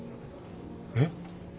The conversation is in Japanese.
えっ？